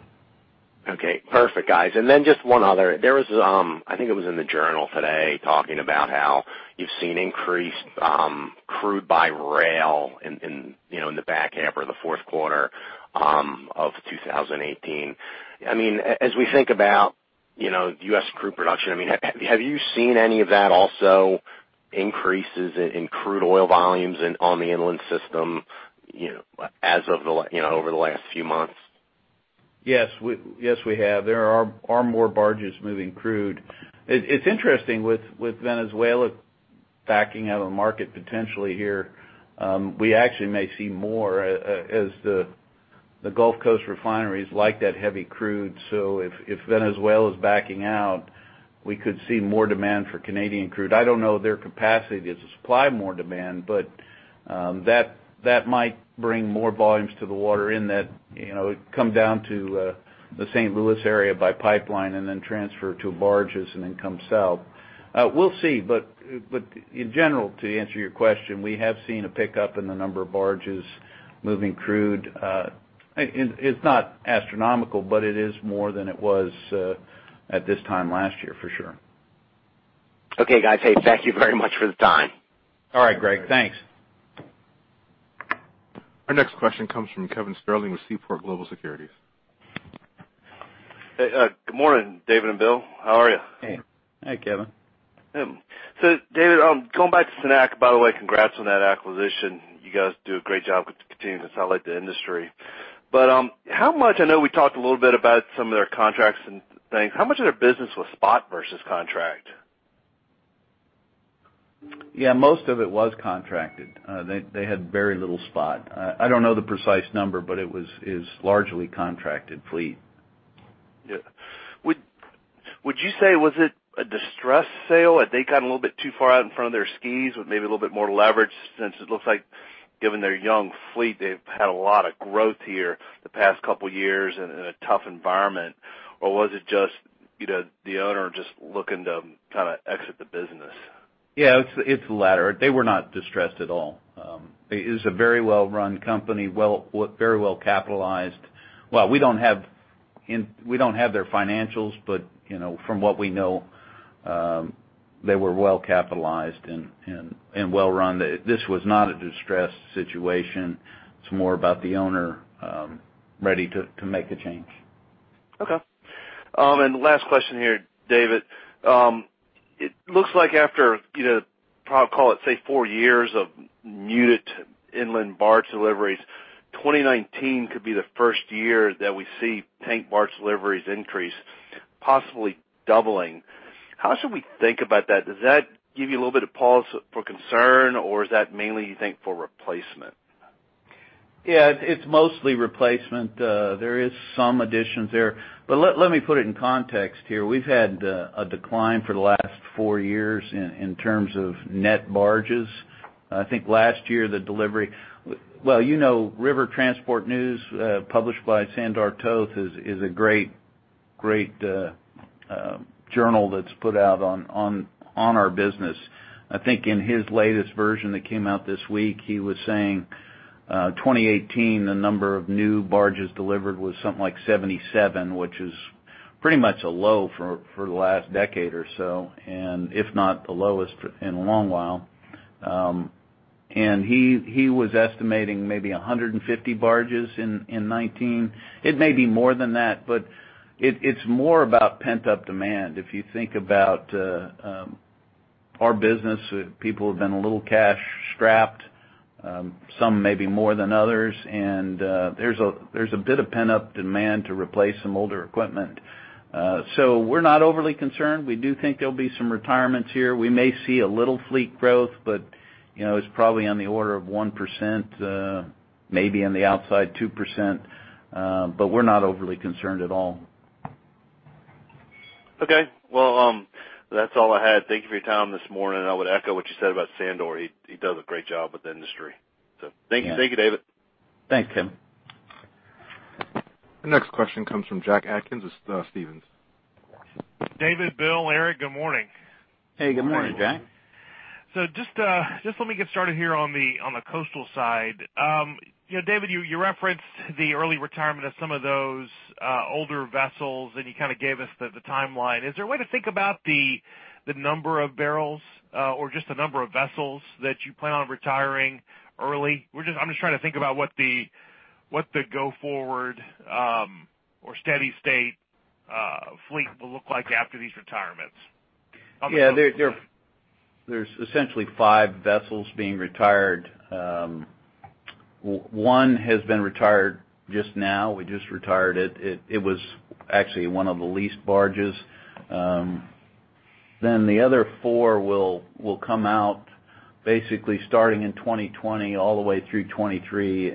Okay. Perfect, guys. And then just one other. There was, I think it was in the journal today, talking about how you've seen increased crude by rail in, you know, in the back half or the fourth quarter of 2018. I mean, as we think about, you know, U.S. crude production, I mean, have you seen any of that also increases in crude oil volumes in, on the Inland system, you know, over the last few months? Yes, we have. There are more barges moving crude. It's interesting with Venezuela backing out of the market potentially here. We actually may see more, as the Gulf Coast refineries like that heavy crude. So if Venezuela is backing out, we could see more demand for Canadian crude. I don't know their capacity to supply more demand, but that might bring more volumes to the water in that, you know, it comes down to the St. Louis area by pipeline, and then transfer to barges and then come south. We'll see, but in general, to answer your question, we have seen a pickup in the number of barges moving crude. It's not astronomical, but it is more than it was at this time last year, for sure. Okay, guys. Hey, thank you very much for the time. All right, Greg. Thanks. Our next question comes from Kevin Sterling with Seaport Global Securities. Hey, good morning, David and Bill. How are you? Hey. Hi, Kevin. So David, going back to Cenac, by the way, congrats on that acquisition. You guys do a great job continuing to sound like the industry. But, how much... I know we talked a little bit about some of their contracts and things. How much of their business was spot versus contract? Yeah, most of it was contracted. They had very little spot. I don't know the precise number, but it was, is largely contracted fleet. Yeah. Would you say, was it a distressed sale? Had they got a little bit too far out in front of their skis with maybe a little bit more leverage, since it looks like, given their young fleet, they've had a lot of growth here the past couple of years in a tough environment? Or was it just, you know, the owner just looking to kind of exit the business? Yeah, it's the latter. They were not distressed at all. It is a very well-run company, well, very well capitalized. Well, we don't have their financials, but, you know, from what we know, they were well capitalized and well-run. This was not a distressed situation. It's more about the owner, ready to make a change.... Okay. And last question here, David. It looks like after, you know, I'll call it, say, 4 years of muted Inland barge deliveries, 2019 could be the first year that we see tank barge deliveries increase, possibly doubling. How should we think about that? Does that give you a little bit of pause for concern, or is that mainly, you think, for replacement? Yeah, it's mostly replacement. There is some additions there. But let me put it in context here. We've had a decline for the last four years in terms of net barges. I think last year, the delivery. Well, you know, River Transport News, published by Sandor Toth, is a great journal that's put out on our business. I think in his latest version that came out this week, he was saying, 2018, the number of new barges delivered was something like 77, which is pretty much a low for the last decade or so, and if not the lowest in a long while. And he was estimating maybe 150 barges in 2019. It may be more than that, but it's more about pent-up demand. If you think about our business, people have been a little cash-strapped, some maybe more than others, and there's a bit of pent-up demand to replace some older equipment. So we're not overly concerned. We do think there'll be some retirements here. We may see a little fleet growth, but you know, it's probably on the order of 1%, maybe on the outside, 2%, but we're not overly concerned at all. Okay. Well, that's all I had. Thank you for your time this morning, and I would echo what you said about Sandor. He, he does a great job with the industry. So thank you. Yeah. Thank you, David. Thanks, Tim. The next question comes from Jack Atkins with Stephens. David, Bill, Eric, good morning. Hey, good morning, Jack. Good morning. So just, just let me get started here on the, on the coastal side. You know, David, you, you referenced the early retirement of some of those, older vessels, and you kind of gave us the, the timeline. Is there a way to think about the, the number of barrels, or just the number of vessels that you plan on retiring early? We're just -- I'm just trying to think about what the, what the go-forward, or steady state, fleet will look like after these retirements. Yeah, there, there, there's essentially five vessels being retired. One has been retired just now. We just retired it. It, it was actually one of the least barges. Then the other four will, will come out, basically, starting in 2020 all the way through 2023. You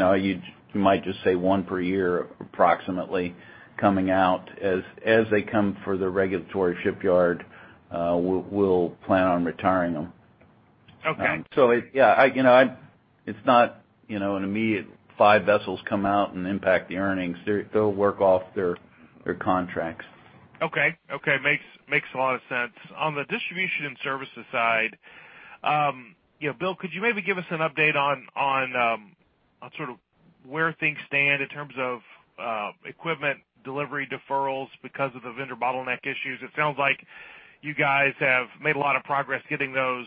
know, you might just say one per year, approximately, coming out. As, as they come for the regulatory shipyard, we'll, we'll plan on retiring them. Okay. So yeah, you know, it's not, you know, an immediate 5 vessels come out and impact the earnings. They'll work off their contracts. Okay. Okay, makes a lot of sense. On the distribution and services side, you know, Bill, could you maybe give us an update on, on sort of where things stand in terms of equipment delivery deferrals because of the vendor bottleneck issues? It sounds like you guys have made a lot of progress getting those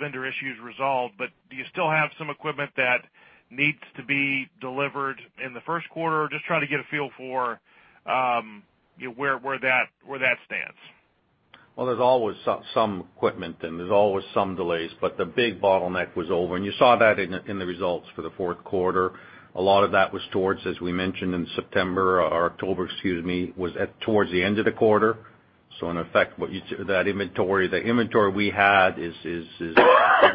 vendor issues resolved, but do you still have some equipment that needs to be delivered in the first quarter? Just trying to get a feel for, you know, where that stands. Well, there's always some equipment, and there's always some delays, but the big bottleneck was over, and you saw that in the results for the fourth quarter. A lot of that was towards, as we mentioned in September or October, excuse me, was at towards the end of the quarter. So in effect, That inventory, the inventory we had is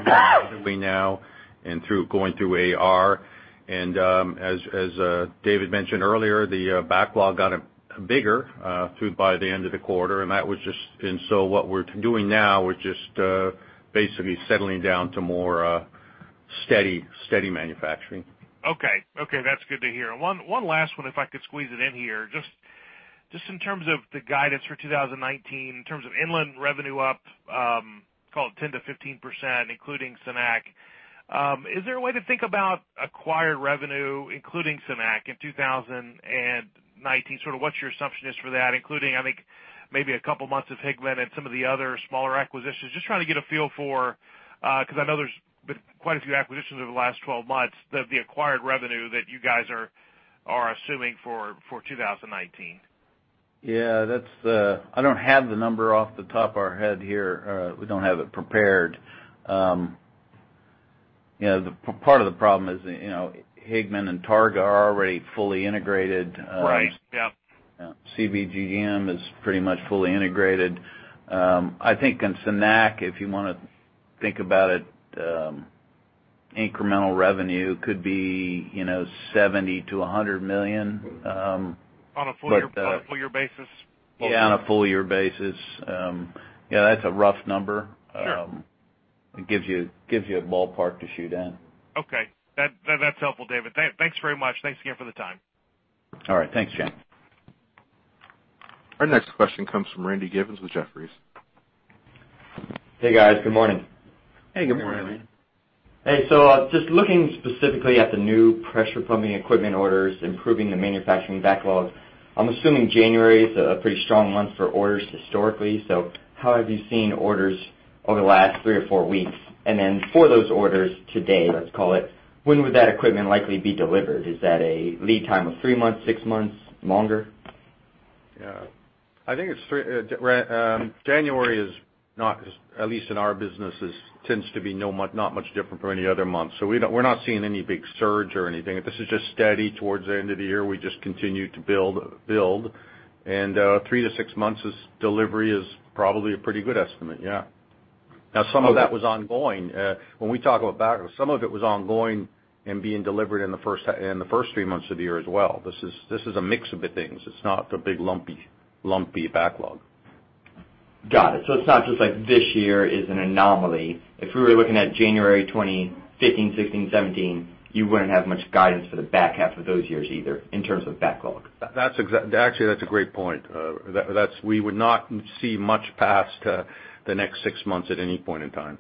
now and through going through AR. And, as David mentioned earlier, the backlog got bigger by the end of the quarter, and that was just. And so what we're doing now is just basically settling down to more steady manufacturing. Okay. Okay, that's good to hear. One last one, if I could squeeze it in here. Just in terms of the guidance for 2019, in terms of Inland revenue up, call it 10%-15%, including Cenac. Is there a way to think about acquired revenue, including Cenac, in 2019? Sort of what your assumption is for that, including, I think, maybe a couple months of Higman and some of the other smaller acquisitions. Just trying to get a feel for, because I know there's been quite a few acquisitions over the last 12 months, the acquired revenue that you guys are assuming for 2019. Yeah, that's... I don't have the number off the top of our head here. We don't have it prepared. You know, the part of the problem is, you know, Higman and Targa are already fully integrated. Right. Yep. Yeah. CGBM is pretty much fully integrated. I think in Cenac, if you wanna think about it, incremental revenue could be, you know, $70 million-$100 million, On a full year- But, uh- On a full year basis? Yeah, on a full year basis. Yeah, that's a rough number. Sure. It gives you a ballpark to shoot in. Okay. That's helpful, David. Thanks very much. Thanks again for the time. All right. Thanks, Jack. Our next question comes from Randy Giveans with Jefferies. Hey, guys. Good morning. Hey, good morning, Randy. Good morning. Hey, so, just looking specifically at the new pressure plumbing equipment orders, improving the manufacturing backlog, I'm assuming January is a pretty strong month for orders historically. So how have you seen orders over the last 3 or 4 weeks, and then for those orders today, let's call it, when would that equipment likely be delivered? Is that a lead time of 3 months, 6 months, longer? Yeah. I think it's three, January is not, at least in our businesses, tends to be not much different from any other month. So we don't, we're not seeing any big surge or anything. This is just steady towards the end of the year. We just continue to build, build, and three to six months is delivery is probably a pretty good estimate. Yeah. Now, some of that was ongoing. When we talk about backlog, some of it was ongoing and being delivered in the first three months of the year as well. This is, this is a mix of the things. It's not a big, lumpy, lumpy backlog. Got it. So it's not just like this year is an anomaly. If we were looking at January 2015, 2016, 2017, you wouldn't have much guidance for the back half of those years either in terms of backlog. Actually, that's a great point. We would not see much past the next six months at any point in time.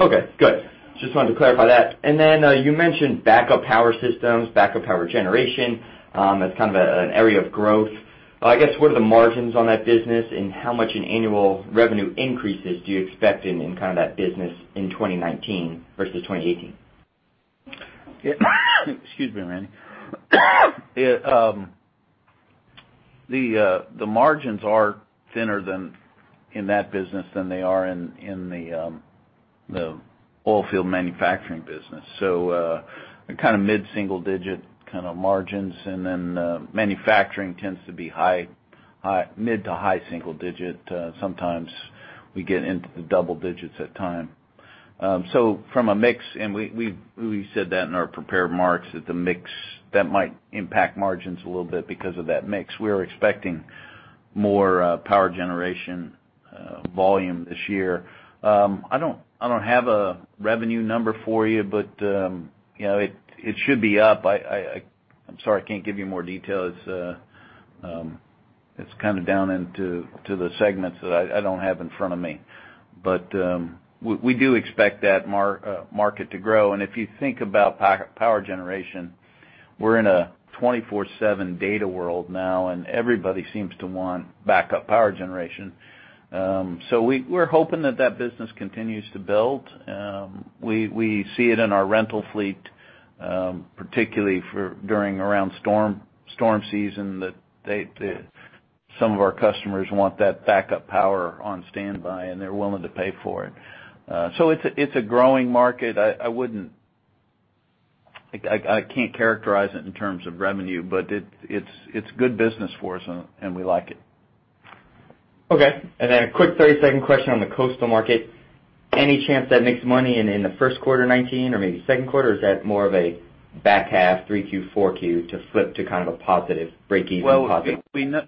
Okay, good. Just wanted to clarify that. And then, you mentioned backup power systems, backup power generation, as kind of an area of growth. I guess, what are the margins on that business, and how much in annual revenue increases do you expect in kind of that business in 2019 versus 2018? Excuse me, Randy. The margins are thinner than in that business than they are in the oil field manufacturing business. So, kind of mid-single-digit kind of margins, and then, manufacturing tends to be high, mid- to high-single-digit. Sometimes we get into the double digits at times. So from a mix, and we said that in our prepared remarks, that the mix might impact margins a little bit because of that mix. We're expecting more power generation volume this year. I don't have a revenue number for you, but you know, it should be up. I'm sorry, I can't give you more details. It's kind of down into the segments that I don't have in front of me. But, we do expect that market to grow. And if you think about power generation, we're in a 24/7 data world now, and everybody seems to want backup power generation. So we're hoping that business continues to build. We see it in our rental fleet, particularly during storm season, that some of our customers want that backup power on standby, and they're willing to pay for it. So it's a growing market. I wouldn't. I can't characterize it in terms of revenue, but it's good business for us, and we like it. Okay. Then a quick 30-second question on the coastal market. Any chance that makes money in the first quarter 2019 or maybe second quarter, or is that more of a back half, 3Q, 4Q, to flip to kind of a positive, break even, positive? Well, we know.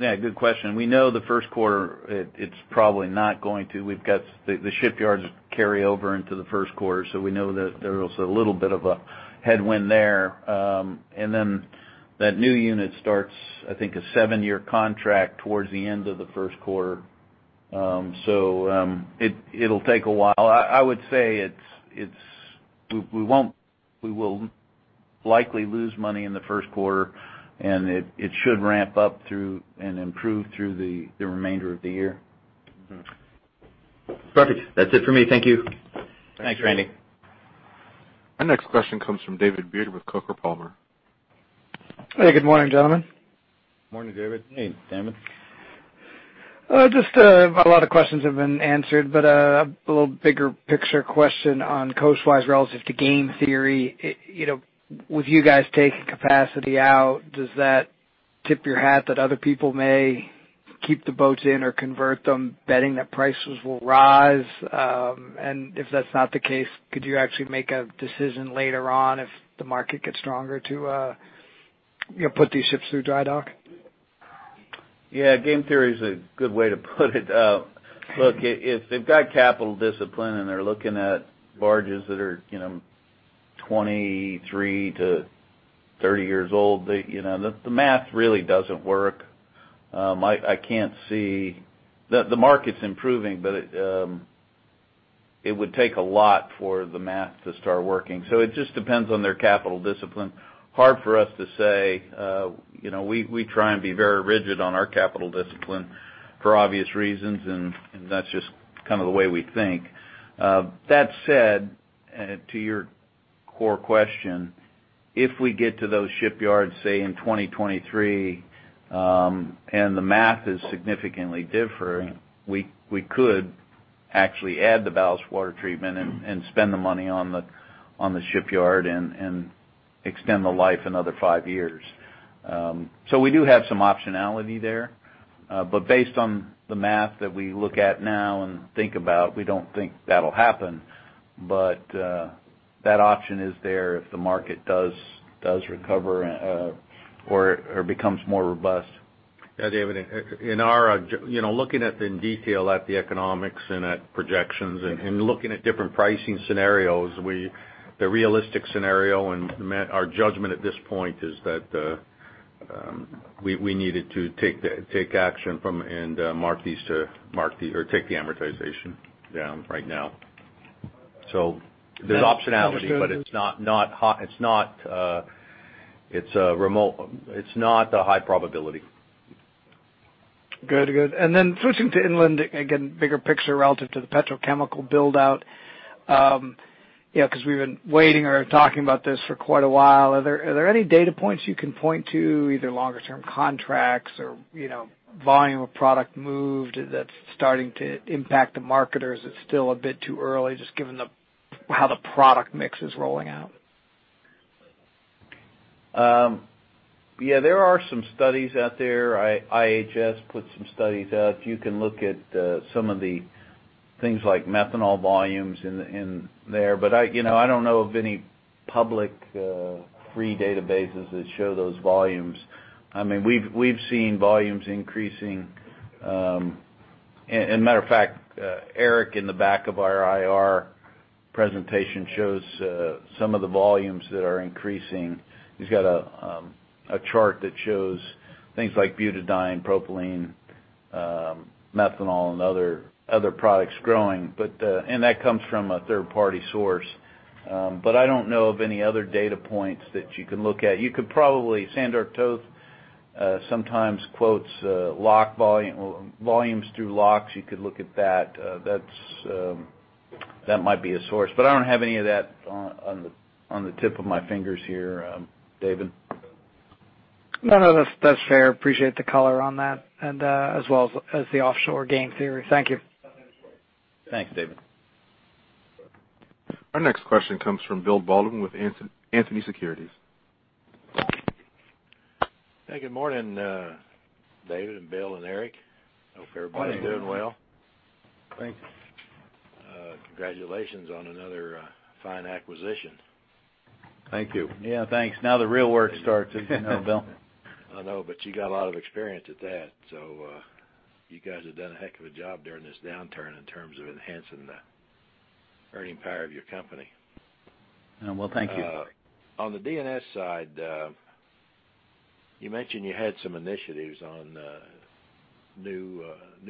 Yeah, good question. We know the first quarter, it's probably not going to. We've got the shipyards carry over into the first quarter, so we know that there is a little bit of a headwind there. And then that new unit starts, I think, a 7-year contract towards the end of the first quarter. So, it'll take a while. I would say it's. We will likely lose money in the first quarter, and it should ramp up through and improve through the remainder of the year. Mm-hmm. Perfect. That's it for me. Thank you. Thanks, Randy. Our next question comes from David Beard with Coker & Palmer. Hey, good morning, gentlemen. Morning, David. Hey, David. Just, a lot of questions have been answered, but a little bigger picture question on coastwise relative to game theory. You know, with you guys taking capacity out, does that tip your hat that other people may keep the boats in or convert them, betting that prices will rise? And if that's not the case, could you actually make a decision later on if the market gets stronger to, you know, put these ships through dry dock? Yeah, game theory is a good way to put it. Look, if they've got capital discipline, and they're looking at barges that are, you know, 23-30 years old, you know, the math really doesn't work. I can't see... The market's improving, but it would take a lot for the math to start working. So it just depends on their capital discipline. Hard for us to say, you know, we try and be very rigid on our capital discipline for obvious reasons, and that's just kind of the way we think. That said, to your core question, if we get to those shipyards, say, in 2023, and the math is significantly different, we could actually add the ballast water treatment and spend the money on the shipyard and extend the life another five years. So we do have some optionality there, but based on the math that we look at now and think about, we don't think that'll happen. But that option is there if the market does recover or becomes more robust. Yeah, David, in our, you know, looking at in detail at the economics and at projections and looking at different pricing scenarios, the realistic scenario and our judgment at this point is that we needed to take action and mark these or take the amortization down right now.... So there's optionality, but it's not high, it's not a high probability. Good. Good. And then switching to Inland, again, bigger picture relative to the petrochemical build-out. Yeah, 'cause we've been waiting or talking about this for quite a while. Are there any data points you can point to, either longer term contracts or, you know, volume of product moved that's starting to impact the marketers? It's still a bit too early, just given the how the product mix is rolling out. Yeah, there are some studies out there. IHS put some studies out. You can look at some of the things like methanol volumes in there. But I, you know, I don't know of any public, free databases that show those volumes. I mean, we've seen volumes increasing... And matter of fact, Eric, in the back of our IR presentation, shows some of the volumes that are increasing. He's got a chart that shows things like butadiene, propylene, methanol, and other products growing. But... And that comes from a third-party source. But I don't know of any other data points that you can look at. You could probably, Sandor Toth, sometimes quotes lock volumes through locks. You could look at that. That's that might be a source. But I don't have any of that on the tip of my fingers here, David. No, no, that's, that's fair. Appreciate the color on that, and as well as the offshore game theory. Thank you. Thanks, David. Our next question comes from Bill Baldwin with Baldwin Anthony Securities. Hey, good morning, David, and Bill, and Eric. Hope everybody's doing well. Thanks. Congratulations on another fine acquisition. Thank you. Yeah, thanks. Now the real work starts, as you know, Bill. I know, but you got a lot of experience at that, so, you guys have done a heck of a job during this downturn in terms of enhancing the earning power of your company. Well, thank you. On the D&S side, you mentioned you had some initiatives on new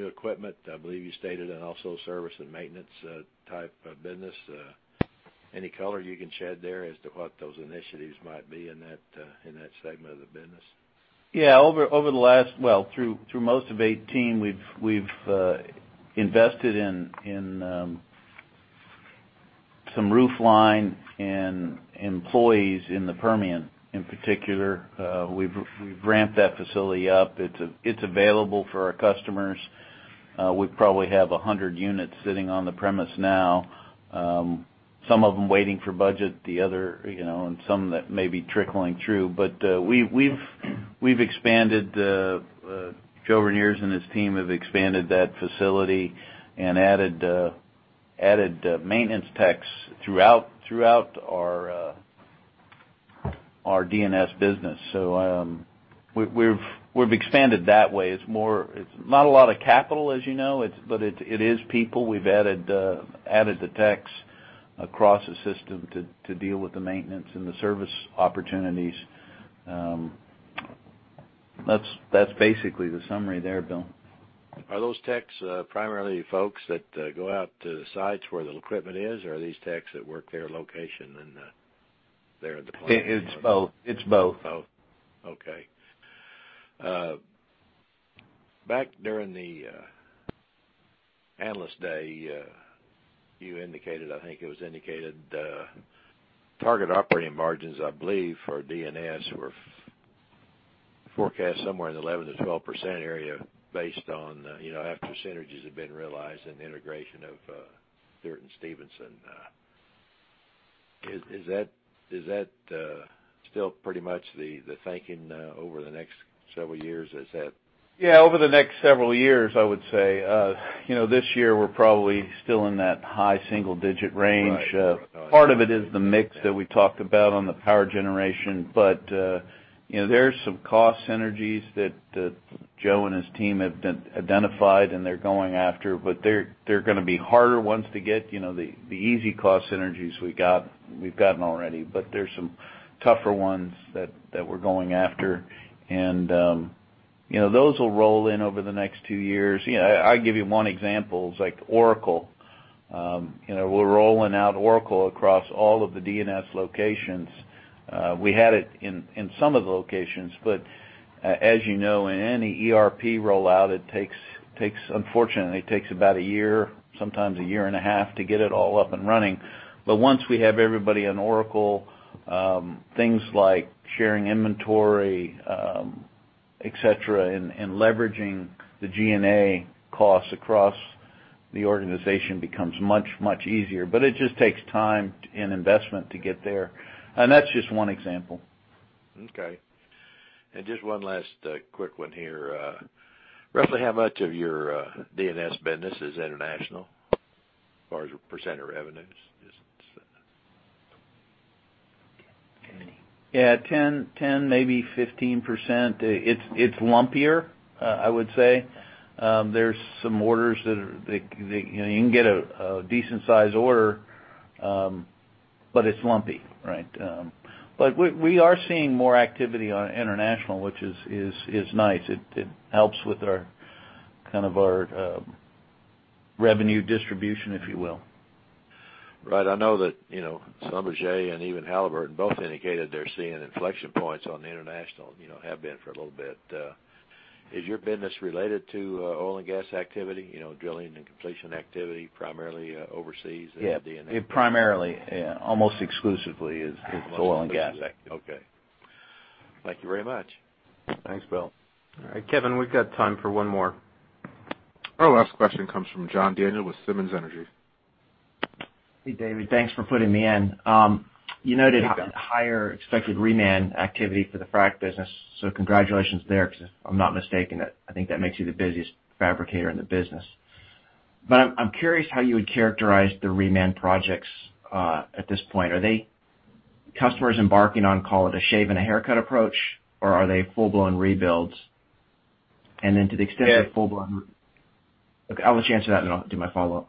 equipment. I believe you stated, and also service and maintenance type of business. Any color you can shed there as to what those initiatives might be in that segment of the business? Yeah. Over the last... Well, through most of 2018, we've invested in some roofline and employees in the Permian, in particular. We've ramped that facility up. It's available for our customers. We probably have 100 units sitting on the premise now. Some of them waiting for budget, the others, you know, and some that may be trickling through. But we've expanded. Joe Reniers and his team have expanded that facility and added maintenance techs throughout our D&S business. So we've expanded that way. It's more—it's not a lot of capital, as you know, it's—but it is people. We've added the techs across the system to deal with the maintenance and the service opportunities. That's basically the summary there, Bill. Are those techs primarily folks that go out to the sites where the equipment is, or are these techs that work their location and there at the plant? It's both. It's both. Both. Okay. Back during the Analyst Day, you indicated, I think it was indicated, target operating margins, I believe, for D&S were forecast somewhere in the 11%-12% area based on, you know, after synergies had been realized and the integration of Stewart & Stevenson. Is, is that still pretty much the thinking over the next several years? Is that- Yeah, over the next several years, I would say. You know, this year we're probably still in that high single digit range. Right. Part of it is the mix that we talked about on the power generation, but, you know, there are some cost synergies that, Joe and his team have identified, and they're going after, but they're gonna be harder ones to get. You know, the easy cost synergies we got, we've gotten already, but there's some tougher ones that we're going after, and, you know, those will roll in over the next two years. Yeah, I'll give you one example is, like, Oracle. You know, we're rolling out Oracle across all of the D&S locations. We had it in some of the locations, but, as you know, in any ERP rollout, it takes... unfortunately, it takes about a year, sometimes a year and a half, to get it all up and running. But once we have everybody on Oracle, things like sharing inventory, et cetera, and leveraging the G&A costs across the organization becomes much, much easier. But it just takes time and investment to get there. And that's just one example. Okay. And just one last, quick one here. Roughly how much of your D&S business is international, as far as percent of revenues? Just- Yeah, 10, 10, maybe 15%. It's lumpier, I would say. There's some orders that you know you can get a decent-sized order, but it's lumpy, right? But we are seeing more activity on international, which is nice. It helps with our kind of our revenue distribution, if you will. Right. I know that, you know, Schlumberger and even Halliburton both indicated they're seeing inflection points on the international, you know, have been for a little bit. Is your business related to, oil and gas activity, you know, drilling and completion activity, primarily, overseas in the D&S? Yeah, it primarily, yeah, almost exclusively is oil and gas. Okay. Thank you very much. Thanks, Bill. All right, Kevin, we've got time for one more. Our last question comes from John Daniel with Simmons Energy. Hey, David, thanks for putting me in. You noted higher expected reman activity for the frac business, so congratulations there, because if I'm not mistaken, I think that makes you the busiest fabricator in the business. But I'm curious how you would characterize the reman projects at this point. Are they customers embarking on, call it, a shave and a haircut approach, or are they full-blown rebuilds? And then to the extent they're full-blown- Yeah. Okay, I'll let you answer that, and then I'll do my follow-up.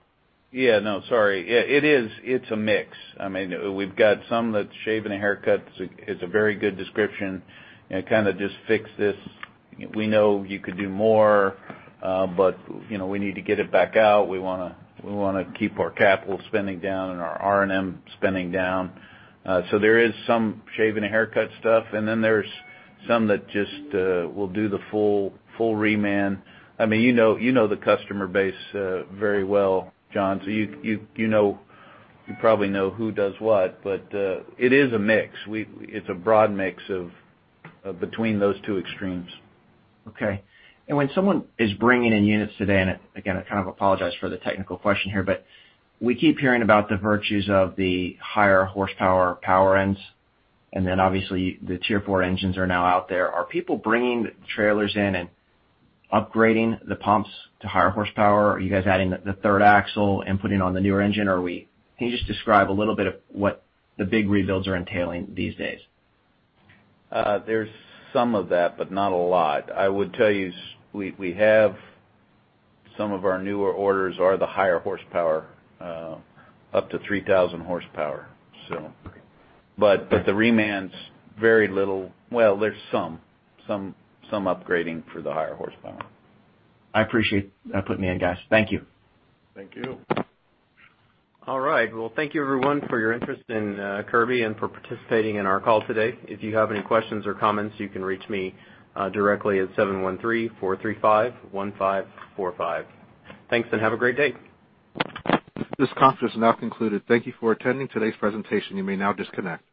Yeah, no, sorry. It's a mix. I mean, we've got some that's shave and a haircut. It's a very good description, and kind of just fix this. We know you could do more, but, you know, we need to get it back out. We wanna keep our capital spending down and our R&M spending down. So there is some shave and a haircut stuff, and then there's some that just will do the full reman. I mean, you know the customer base very well, John, so you know-- you probably know who does what, but it is a mix. It's a broad mix of between those two extremes. Okay. And when someone is bringing in units today, and again, I kind of apologize for the technical question here, but we keep hearing about the virtues of the higher horsepower power ends, and then obviously, the Tier 4 engines are now out there. Are people bringing trailers in and upgrading the pumps to higher horsepower? Are you guys adding the third axle and putting on the newer engine? Or can you just describe a little bit of what the big rebuilds are entailing these days? There's some of that, but not a lot. I would tell you, we, we have some of our newer orders are the higher horsepower, up to 3,000 horsepower, so. Great. But the remans, very little. Well, there's some upgrading for the higher horsepower. I appreciate putting me in, guys. Thank you. Thank you. All right. Well, thank you everyone for your interest in Kirby, and for participating in our call today. If you have any questions or comments, you can reach me directly at 713-435-1545. Thanks, and have a great day. This conference is now concluded. Thank you for attending today's presentation. You may now disconnect.